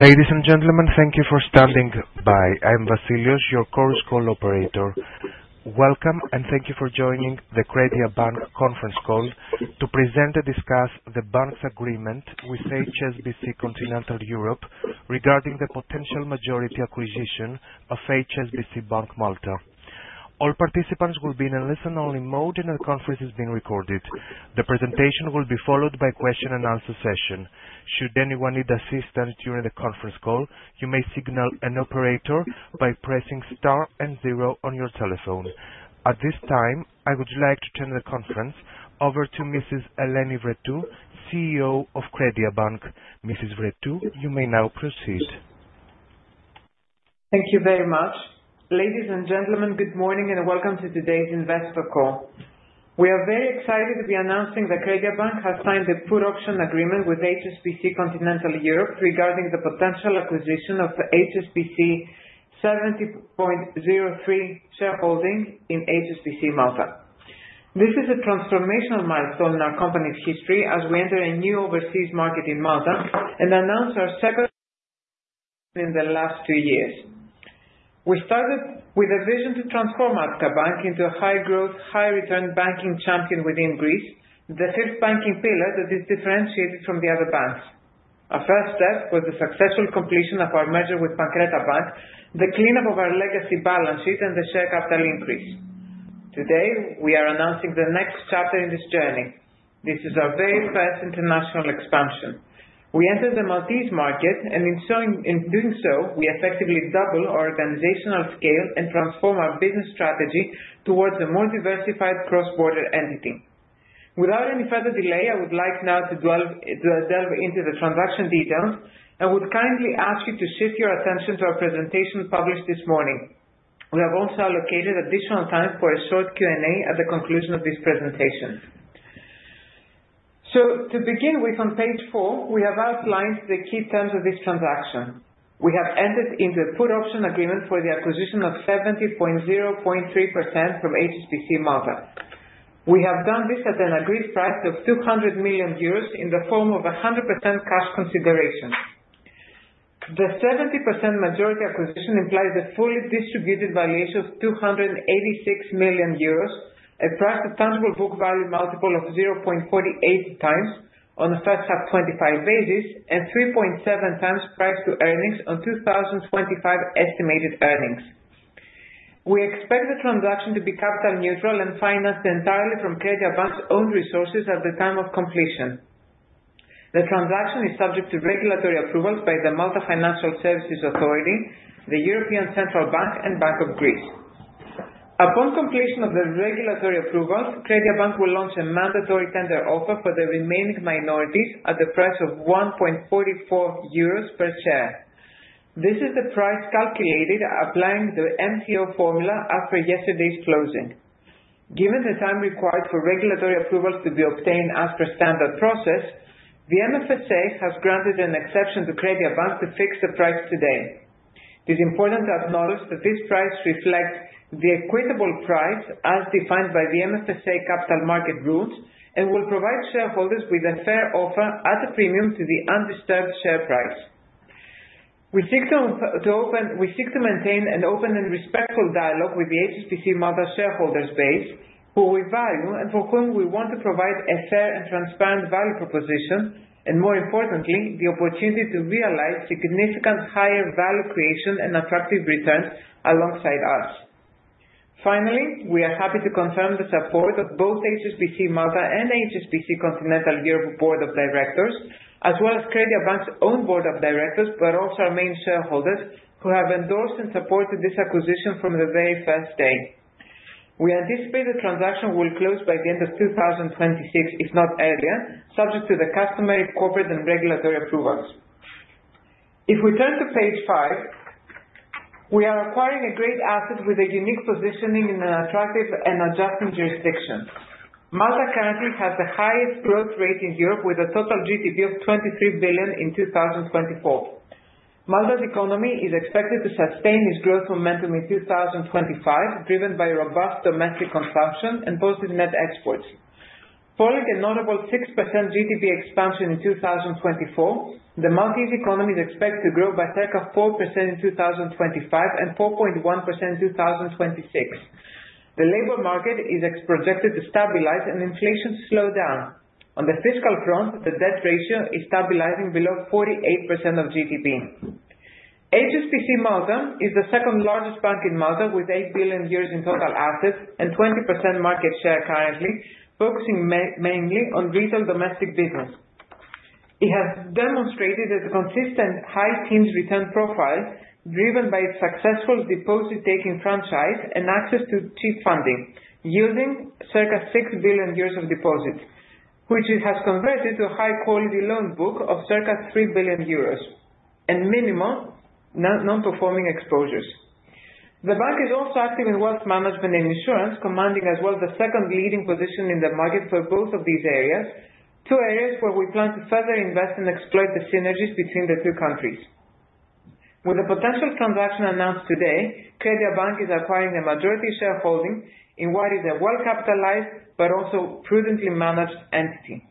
Ladies and gentlemen, thank you for standing by. I'm Vasilios, your Chorus Call operator. Welcome, and thank you for joining the CrediaBank conference call to present and discuss the bank's agreement with HSBC Continental Europe regarding the potential majority acquisition of HSBC Bank Malta. All participants will be in a listen-only mode and the conference is being recorded. The presentation will be followed by question and answer session. Should anyone need assistance during the conference call, you may signal an operator by pressing star and zero on your telephone. At this time, I would like to turn the conference over to Mrs. Eleni Vrettou, CEO of CrediaBank. Mrs. Vrettou, you may now proceed. Thank you very much. Ladies and gentlemen, good morning and welcome to today's investor call. We are very excited to be announcing that CrediaBank has signed a put option agreement with HSBC Continental Europe regarding the potential acquisition of the HSBC 70.03% shareholding in HSBC Malta. This is a transformational milestone in our company's history as we enter a new overseas market in Malta and announce our second in the last two years. We started with a vision to transform Attica Bank into a high-growth, high-return banking champion within Greece, the fifth banking pillar that is differentiated from the other banks. Our first step was the successful completion of our merger with Pancreta Bank, the cleanup of our legacy balances, and the share capital increase. Today, we are announcing the next chapter in this journey. This is our very first international expansion. We enter the Maltese market, and in doing so, we effectively double our organizational scale and transform our business strategy towards a more diversified cross-border entity. Without any further delay, I would like now to delve into the transaction details, and would kindly ask you to shift your attention to our presentation published this morning. We have also allocated additional time for a short Q&A at the conclusion of this presentation. To begin with, on page four, we have outlined the key terms of this transaction. We have entered into a put option agreement for the acquisition of 70.03% from HSBC Malta. We have done this at an agreed price of 200 million euros in the form of 100% cash consideration. The 70% majority acquisition implies a fully distributed valuation of 286 million euros, a price to tangible book value multiple of 0.48 times on a first half 25 basis, and 3.7 times price to earnings on 2025 estimated earnings. We expect the transaction to be capital neutral and financed entirely from CrediaBank's own resources at the time of completion. The transaction is subject to regulatory approvals by the Malta Financial Services Authority, the European Central Bank, and Bank of Greece. Upon completion of the regulatory approvals, CrediaBank will launch a mandatory tender offer for the remaining minorities at the price of 1.44 euros per share. This is the price calculated applying the MTO formula after yesterday's closing. Given the time required for regulatory approvals to be obtained as per standard process, the MFSA has granted an exception to CrediaBank to fix the price today. It is important to acknowledge that this price reflects the equitable price as defined by the MFSA Capital Markets Rules and will provide shareholders with a fair offer at a premium to the undisturbed share price. More importantly, the opportunity to realize significant higher value creation and attractive returns alongside us. Finally, we are happy to confirm the support of both HSBC Malta and HSBC Continental Europe board of directors, as well as CrediaBank's own board of directors, but also our main shareholders, who have endorsed and supported this acquisition from the very first day. We anticipate the transaction will close by the end of 2026, if not earlier, subject to the customary corporate and regulatory approvals. If we turn to page five, we are acquiring a great asset with a unique positioning in an attractive and adjacent jurisdiction. Malta currently has the highest growth rate in Europe with a total GDP of 23 billion in 2024. Malta's economy is expected to sustain its growth momentum in 2025, driven by robust domestic consumption and positive net exports. Following a notable 6% GDP expansion in 2024, the Maltese economy is expected to grow by circa 4% in 2025% and 4.1% in 2026. The labor market is projected to stabilize and inflation to slow down. On the fiscal front, the debt ratio is stabilizing below 48% of GDP. HSBC Malta is the second largest bank in Malta with 8 billion euros in total assets and 20% market share currently, focusing mainly on retail domestic business. It has demonstrated a consistent high teens return profile driven by its successful deposit-taking franchise and access to cheap funding, using circa 6 billion euros of deposits, which it has converted to a high-quality loan book of circa 3 billion euros and minimal non-performing exposures. The bank is also active in wealth management and insurance, commanding as well the second leading position in the market for both of these areas, two areas where we plan to further invest and exploit the synergies between the two countries. With the potential transaction announced today, CrediaBank is acquiring a majority shareholding in what is a well-capitalized, but also prudently managed entity.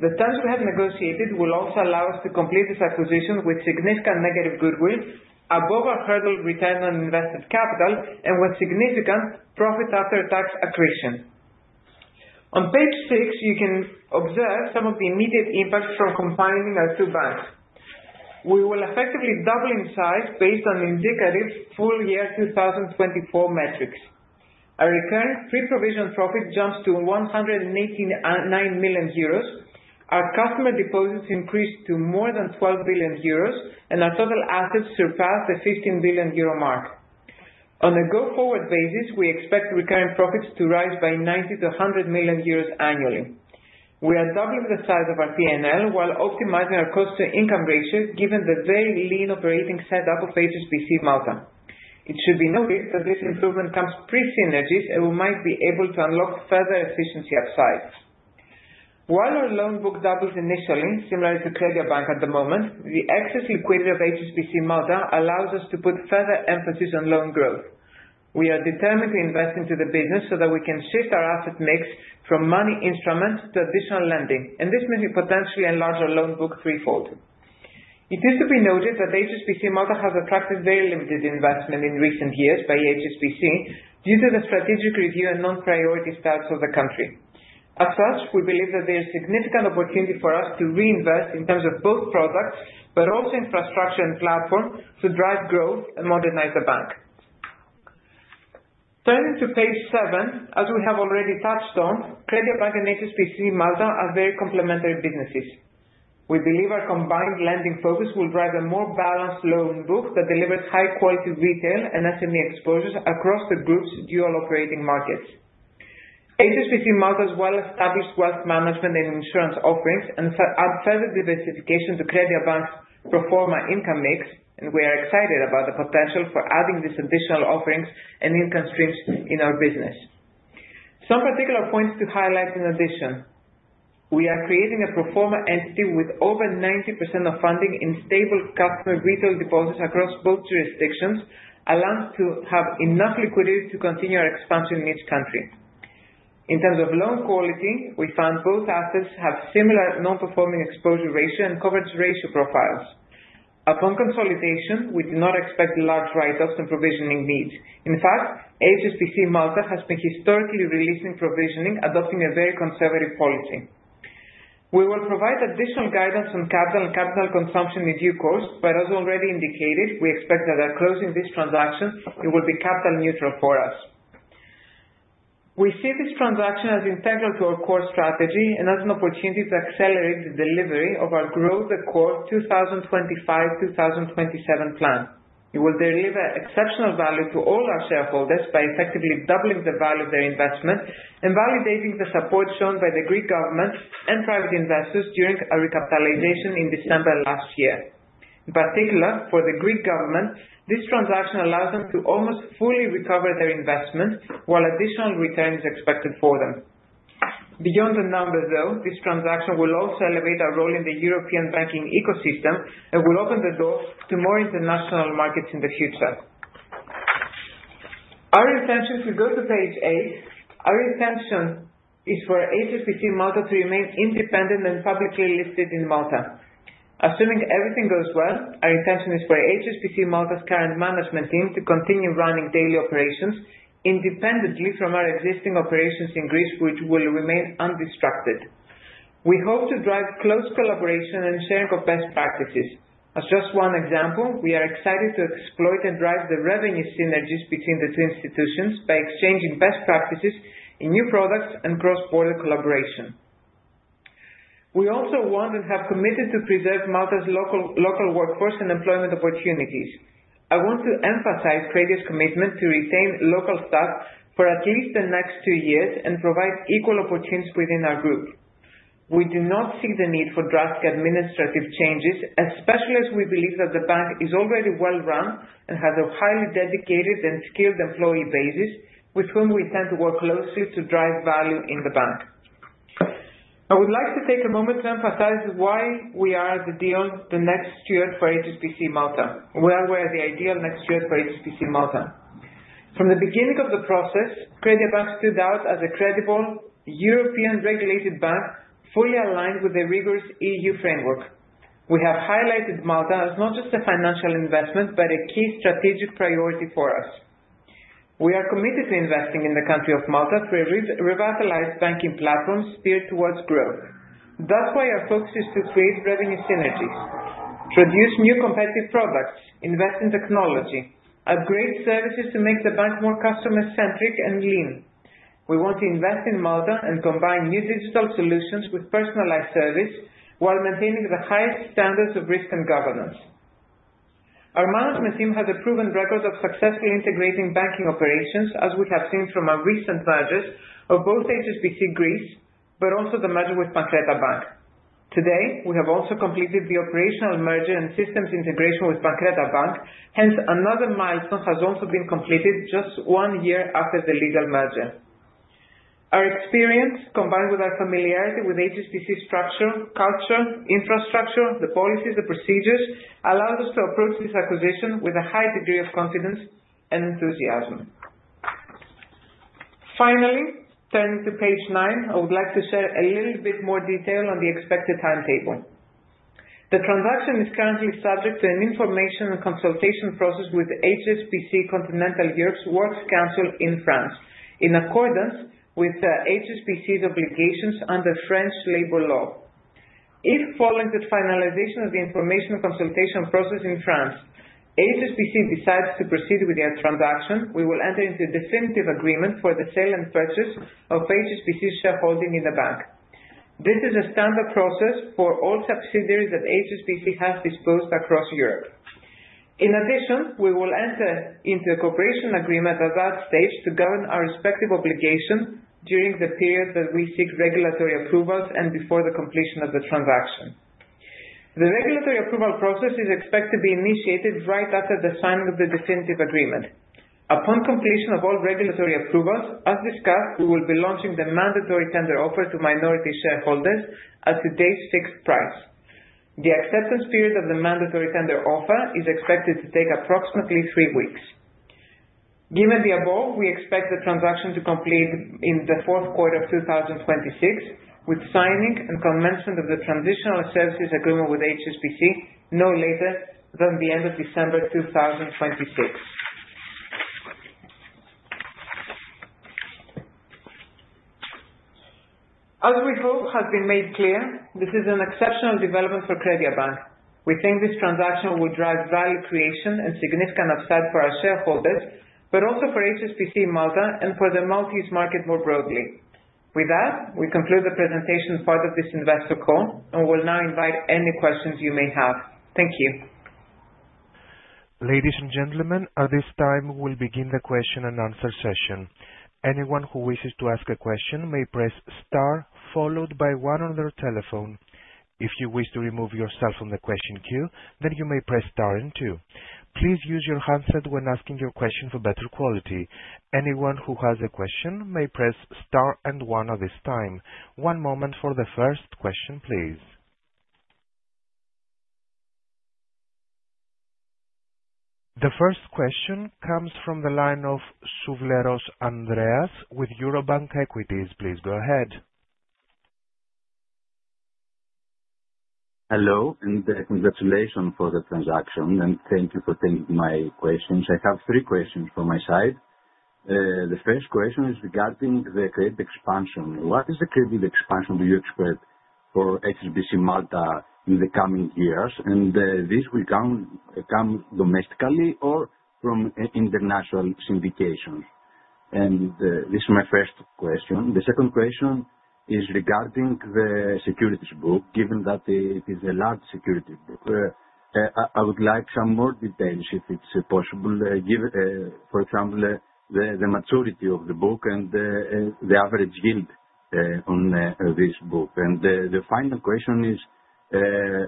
The terms we have negotiated will also allow us to complete this acquisition with significant negative goodwill, above our hurdle return on invested capital, and with significant profit after tax accretion. On page six, you can observe some of the immediate impacts from combining our 2 banks. We will effectively double in size based on indicative full year 2024 metrics. Our recurring Pre-Provision Profit jumps to 189 million euros, our customer deposits increase to more than 12 billion euros, and our total assets surpass the 15 billion euro mark. On a go-forward basis, we expect recurring profits to rise by 90 million-100 million euros annually. We are doubling the size of our P&L while optimizing our cost to income ratio, given the very lean operating setup of HSBC Malta. It should be noted that this improvement comes pre synergies and we might be able to unlock further efficiency upsides. While our loan book doubles initially, similar to CrediaBank at the moment, the excess liquidity of HSBC Malta allows us to put further emphasis on loan growth. We are determined to invest into the business so that we can shift our asset mix from money instruments to additional lending, and this may potentially enlarge our loan book threefold. It is to be noted that HSBC Malta has attracted very limited investment in recent years by HSBC due to the strategic review and non-priority status of the country. As such, we believe that there is significant opportunity for us to reinvest in terms of both products, but also infrastructure and platform to drive growth and modernize the bank. Turning to page seven, as we have already touched on, CrediaBank and HSBC Malta are very complementary businesses. We believe our combined lending focus will drive a more balanced loan book that delivers high quality retail and SME exposures across the group's dual operating markets. HSBC Malta's well-established wealth management and insurance offerings add further diversification to CrediaBank's pro forma income mix. We are excited about the potential for adding these additional offerings and income streams in our business. Some particular points to highlight in addition. We are creating a pro forma entity with over 90% of funding in stable customer retail deposits across both jurisdictions allow us to have enough liquidity to continue our expansion in each country. In terms of loan quality, we found both assets have similar non-performing exposure ratio and coverage ratio profiles. Upon consolidation, we do not expect large write-offs and provisioning needs. In fact, HSBC Malta has been historically releasing provisioning, adopting a very conservative policy. We will provide additional guidance on capital and capital consumption in due course. As already indicated, we expect that by closing this transaction, it will be capital neutral for us. We see this transaction as integral to our core strategy and as an opportunity to accelerate the delivery of our Growth at Core 2025-2027 plan. It will deliver exceptional value to all our shareholders by effectively doubling the value of their investment and validating the support shown by the Greek government and private investors during our recapitalization in December last year. In particular, for the Greek government, this transaction allows them to almost fully recover their investment, while additional return is expected for them. Beyond the numbers, though, this transaction will also elevate our role in the European banking ecosystem and will open the door to more international markets in the future. Our intention, if we go to page eight, our intention is for HSBC Malta to remain independent and publicly listed in Malta. Assuming everything goes well, our intention is for HSBC Malta's current management team to continue running daily operations independently from our existing operations in Greece, which will remain undistracted. We hope to drive close collaboration and sharing of best practices. As just one example, we are excited to exploit and drive the revenue synergies between the two institutions by exchanging best practices in new products and cross-border collaboration. We also want and have committed to preserve Malta's local workforce and employment opportunities. I want to emphasize Credia's commitment to retain local staff for at least the next two years and provide equal opportunities within our group. We do not see the need for drastic administrative changes, especially as we believe that the bank is already well-run and has a highly dedicated and skilled employee basis, with whom we intend to work closely to drive value in the bank. I would like to take a moment to emphasize why we are the ideal next steward for HSBC Malta, why we are the ideal next steward for HSBC Malta. From the beginning of the process, CrediaBank stood out as a credible European regulated bank fully aligned with the rigorous EU framework. We have highlighted Malta as not just a financial investment, but a key strategic priority for us. We are committed to investing in the country of Malta to revitalize banking platforms steered towards growth. That's why our focus is to create revenue synergies, produce new competitive products, invest in technology, upgrade services to make the bank more customer-centric and lean. We want to invest in Malta and combine new digital solutions with personalized service while maintaining the highest standards of risk and governance. Our management team has a proven record of successfully integrating banking operations, as we have seen from our recent mergers of both HSBC Greece, but also the merger with Pancreta Bank. Today, we have also completed the operational merger and systems integration with Pancreta Bank. Another milestone has also been completed just one year after the legal merger. Our experience, combined with our familiarity with HSBC structure, culture, infrastructure, the policies, the procedures, allows us to approach this acquisition with a high degree of confidence and enthusiasm. Finally, turning to page nine, I would like to share a little bit more detail on the expected timetable. The transaction is currently subject to an information and consultation process with HSBC Continental Europe's Works Council in France, in accordance with HSBC's obligations under French Labor Law. If following the finalization of the information consultation process in France, HSBC decides to proceed with the transaction, we will enter into a definitive agreement for the sale and purchase of HSBC's shareholding in the bank. This is a standard process for all subsidiaries that HSBC has disposed across Europe. In addition, we will enter into a cooperation agreement at that stage to govern our respective obligations during the period that we seek regulatory approvals and before the completion of the transaction. The regulatory approval process is expected to be initiated right after the signing of the definitive agreement. Upon completion of all regulatory approvals, as discussed, we will be launching the mandatory tender offer to minority shareholders at today's fixed price. The acceptance period of the mandatory tender offer is expected to take approximately three weeks. Given the above, we expect the transaction to complete in the fourth quarter of 2026, with signing and commencement of the transitional services agreement with HSBC no later than the end of December 2026. As we hope has been made clear, this is an exceptional development for CrediaBank. We think this transaction will drive value creation and significant upside for our shareholders, but also for HSBC Malta, and for the Maltese market more broadly. With that, we conclude the presentation part of this investor call, and will now invite any questions you may have. Thank you. The first question comes from the line of Souvlaros, Andreas with Eurobank Equities. Please go ahead. Hello, and congratulations for the transaction and thank you for taking my questions. I have three questions from my side. The first question is regarding the credit expansion. What is the credit expansion do you expect for HSBC Malta in the coming years? This will come domestically or from international syndications? This is my first question. The second question is regarding the securities book, given that it is a large security book. I would like some more details, if it's possible. Give, for example, the maturity of the book and the average yield on this book. The final question is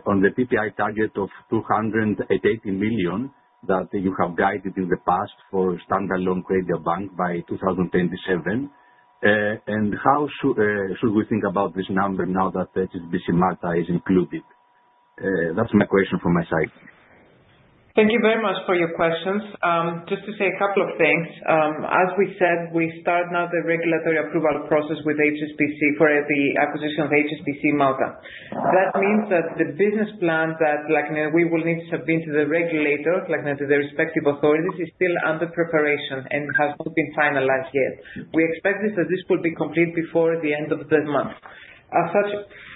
on the PPI target of 280 million that you have guided in the past for standalone CrediaBank by 2027. How should we think about this number now that HSBC Malta is included? That's my question from my side. Thank you very much for your questions. Just to say a couple of things. As we said, we start now the regulatory approval process with HSBC for the acquisition of HSBC Malta. That means that the business plan that we will need to submit to the regulator, to the respective authorities, is still under preparation and has not been finalized yet. We expect that this will be complete before the end of the month. As such,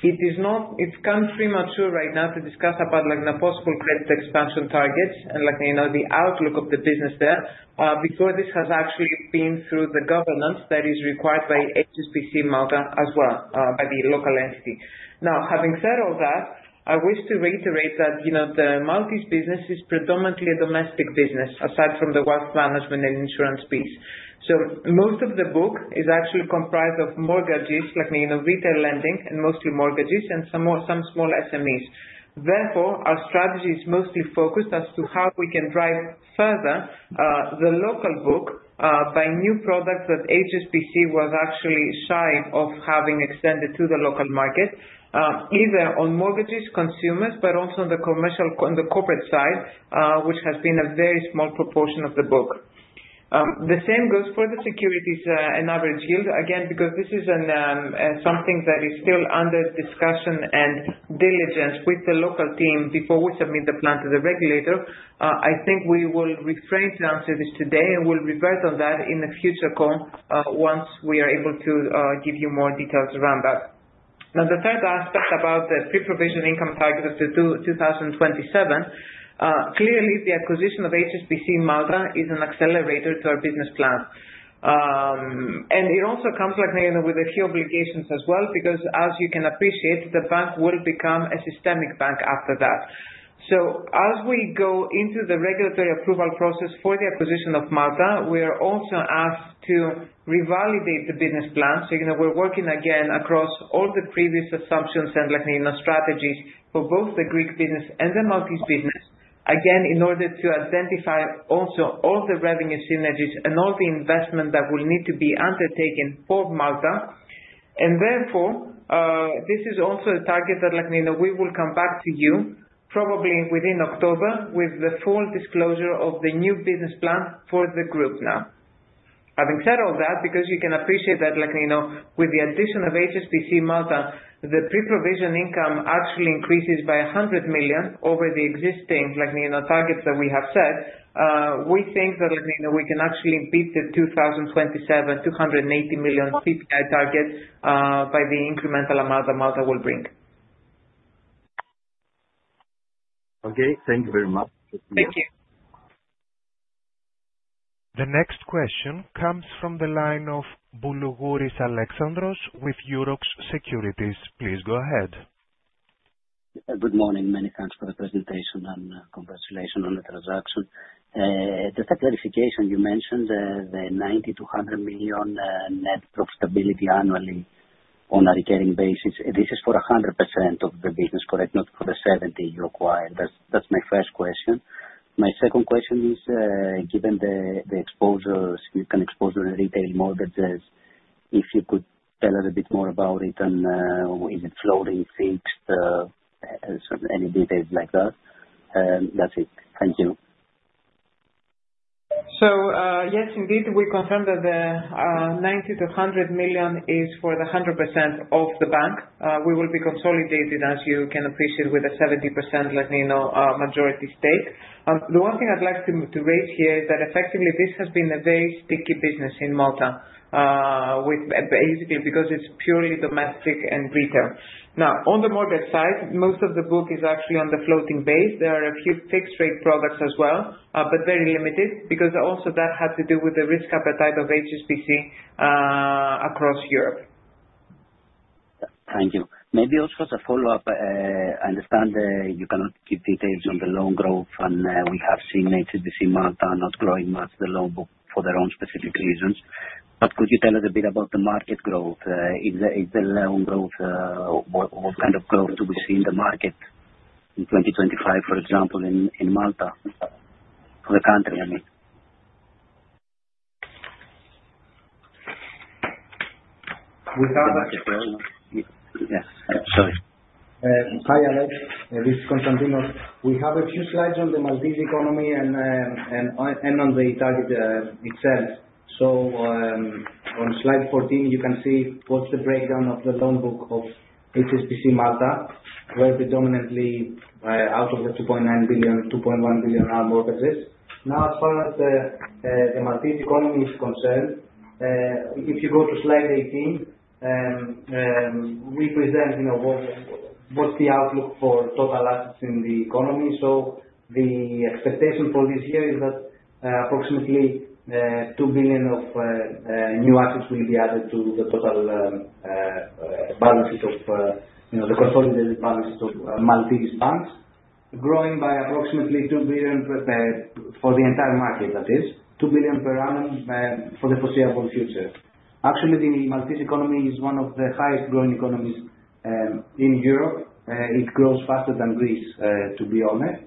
it's come premature right now to discuss about the possible credit expansion targets and the outlook of the business there, before this has actually been through the governance that is required by HSBC Malta as well, by the local entity. Now, having said all that, I wish to reiterate that the Maltese business is predominantly a domestic business, aside from the wealth management and insurance piece. Most of the book is actually comprised of mortgages, retail lending and mostly mortgages and some small SMEs. Therefore, our strategy is mostly focused as to how we can drive further the local book, by new products that HSBC was actually shy of having extended to the local market. Either on mortgages, consumers, but also on the corporate side, which has been a very small proportion of the book. The same goes for the securities and average yield. Again, because this is something that is still under discussion and diligence with the local team before we submit the plan to the regulator. I think we will refrain to answer this today and we'll revert on that in a future call, once we are able to give you more details around that. The third aspect about the Pre-Provision Income target as of 2027. Clearly, the acquisition of HSBC Malta is an accelerator to our business plan. It also comes with a few obligations as well, because as you can appreciate, the bank will become a systemic bank after that. As we go into the regulatory approval process for the acquisition of Malta, we are also asked to revalidate the business plan. We're working again across all the previous assumptions and strategies for both the Greek business and the Maltese business. Again, in order to identify also all the revenue synergies and all the investment that will need to be undertaken for Malta. Therefore, this is also a target that we will come back to you probably within October with the full disclosure of the new business plan for the group now. Having said all that, because you can appreciate that, with the addition of HSBC Malta, the pre-provision income actually increases by 100 million over the existing targets that we have set. We think that we can actually beat the 2027, 280 million PPI target by the incremental amount that Malta will bring. Okay. Thank you very much. Thank you. The next question comes from the line of Boulougouris, Alexandros with Euroxx Securities. Please go ahead. Good morning. Many thanks for the presentation, and congratulations on the transaction. Just a clarification, you mentioned the 90 million-100 million net profitability annually on a recurring basis. This is for 100% of the business, correct? Not for the 70% you acquired. That's my first question. My second question is, given the exposures, you can expose on the retail mortgages, if you could tell us a bit more about it and is it floating, fixed? Any details like that. That's it. Thank you. Yes indeed, we confirm that the 90 million-100 million is for the 100% of the bank. We will be consolidating, as you can appreciate, with the 70% majority stake. The one thing I'd like to raise here is that effectively, this has been a very sticky business in Malta, basically because it's purely domestic and retail. On the mortgage side, most of the book is actually on the floating base. There are a few fixed rate products as well, but very limited because also that had to do with the risk appetite of HSBC across Europe. Thank you. Maybe also as a follow-up, I understand you cannot give details on the loan growth, and we have seen HSBC Malta not growing much the loan book for their own specific reasons. Could you tell us a bit about the market growth? What kind of growth do we see in the market in 2025, for example, in Malta? For the country, I mean. We have- Yeah. Sorry. Hi, Alex. This is Konstantinos. We have a few slides on the Maltese economy and on the target itself. On slide 14, you can see what's the breakdown of the loan book of HSBC Malta, where predominantly out of the 2.9 billion, 2.1 billion are mortgages. As far as the Maltese economy is concerned, if you go to slide 18, we present what's the outlook for total assets in the economy. The expectation for this year is that approximately 2 billion of new assets will be added to the total consolidated balances of Maltese banks, growing by approximately 2 billion, for the entire market that is, 2 billion per annum for the foreseeable future. Actually, the Maltese economy is one of the highest growing economies in Europe. It grows faster than Greece, to be honest.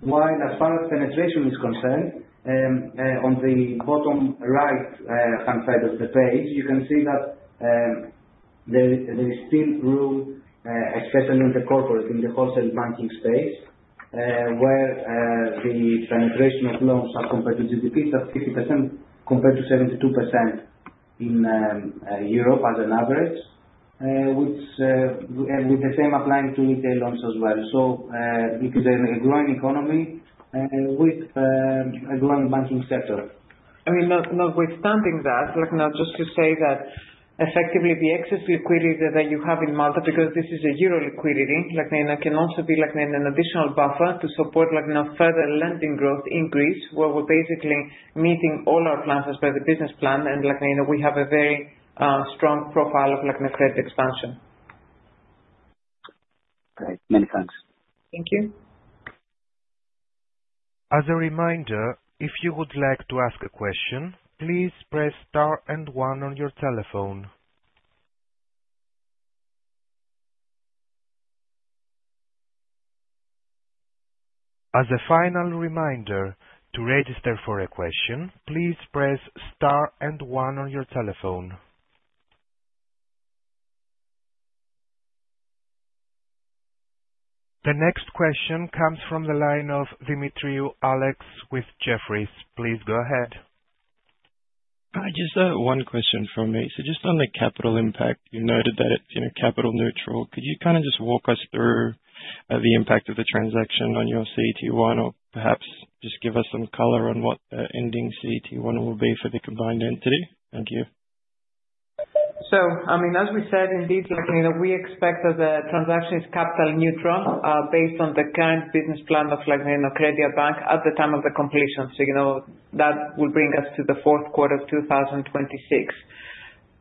While as far as penetration is concerned, on the bottom right-hand side of the page, you can see that there is still room, especially in the corporate, in the wholesale banking space, where the penetration of loans are compared to GDP, it is at 50% compared to 72% in Europe as an average, with the same applying to retail loans as well. It is a growing economy with a growing banking sector. Notwithstanding that, just to say that effectively the excess liquidity that you have in Malta, because this is a Euro liquidity, can also be like an additional buffer to support further lending growth increase, where we are basically meeting all our plans as per the business plan. We have a very strong profile of credit expansion. Great. Many thanks. Thank you. As a reminder, if you would like to ask a question, please press star and one on your telephone. As a final reminder, to register for a question, please press star and one on your telephone. The next question comes from the line of Demetriou, Alex with Jefferies. Please go ahead. Hi, just one question from me. Just on the capital impact, you noted that it's capital neutral. Could you just walk us through the impact of the transaction on your CET1 or perhaps just give us some color on what ending CET1 will be for the combined entity? Thank you. As we said, indeed, we expect that the transaction is capital neutral, based on the current business plan of CrediaBank at the time of the completion. You know, that will bring us to the fourth quarter of 2026.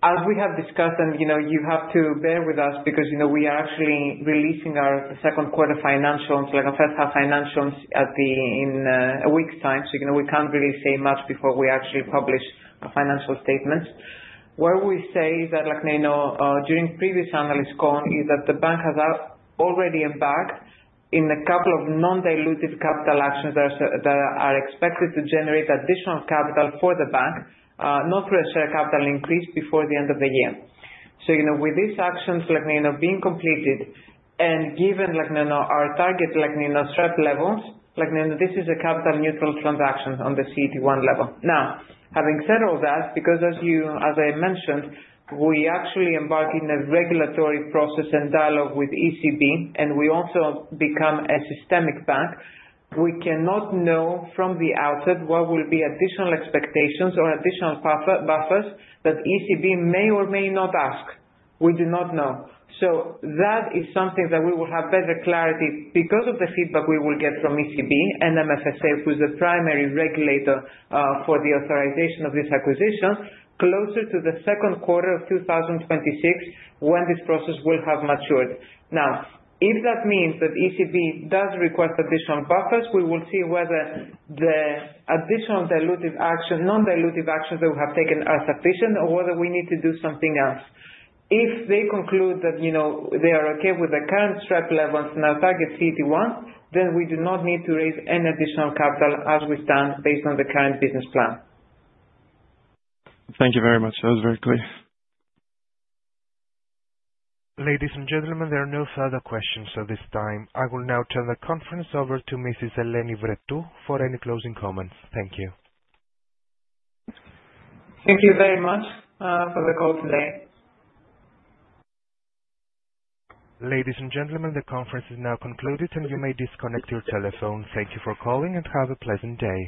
As we have discussed, and you have to bear with us because we are actually releasing our second quarter financials, our first half financials in a week's time, so we can't really say much before we actually publish our financial statements. Where we say that during previous analyst call is that the bank has already embarked in a couple of non-dilutive capital actions that are expected to generate additional capital for the bank, not through a share capital increase before the end of the year. With these actions being completed and given our target SREP levels, this is a capital neutral transaction on the CET1 level. Having said all that, because as I mentioned, we actually embark in a regulatory process and dialogue with ECB, and we also become a systemic bank. We cannot know from the outset what will be additional expectations or additional buffers that ECB may or may not ask. We do not know. That is something that we will have better clarity because of the feedback we will get from ECB and MFSA, who's the primary regulator for the authorization of this acquisition, closer to the second quarter of 2026, when this process will have matured. If that means that ECB does request additional buffers, we will see whether the additional non-dilutive actions that we have taken are sufficient or whether we need to do something else. If they conclude that they are okay with the current SREP levels in our target CET1, then we do not need to raise any additional capital as we stand based on the current business plan. Thank you very much. That was very clear. Ladies and gentlemen, there are no further questions at this time. I will now turn the conference over to Mrs. Eleni Vrettou for any closing comments. Thank you. Thank you very much for the call today. Ladies and gentlemen, the conference is now concluded, and you may disconnect your telephone. Thank you for calling and have a pleasant day.